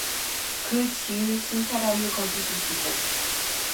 그 지으신 사람을 거기 두시고